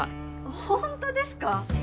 ホントですか？